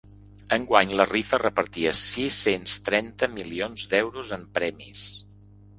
Enguany la rifa repartia sis-cents trenta milions d’euros en premis.